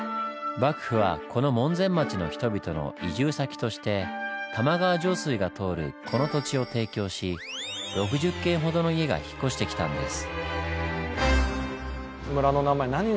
幕府はこの門前町の人々の移住先として玉川上水が通るこの土地を提供し６０軒ほどの家が引っ越してきたんです。